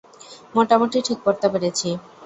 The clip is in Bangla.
মোটামুটি ঠিক করতে পেরেছি।